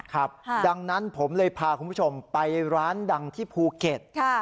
ครับดังนั้นผมเลยพาคุณผู้ชมไปร้านดังที่ภูเก็ต